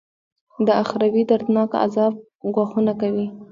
د اخروي دردناکه عذاب ګواښونه کوي.